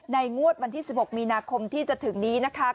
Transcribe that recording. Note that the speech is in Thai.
งวดวันที่๑๖มีนาคมที่จะถึงนี้นะคะ